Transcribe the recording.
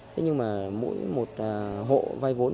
nhưng mà mỗi một hộ vay vốn